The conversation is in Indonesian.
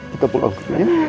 kita pulang dulu ya